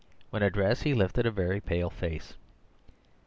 When addressed, he lifted a very pale face.